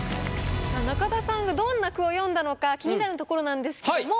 中田さんがどんな句を詠んだのか気になるところなんですけども。